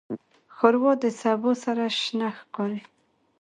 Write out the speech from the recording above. ښوروا د سبو سره شنه ښکاري.